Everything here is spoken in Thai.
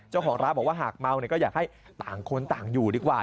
เจ้าของร้านบอกว่าหากเมาก็อยากให้ต่างคนต่างอยู่ดีกว่า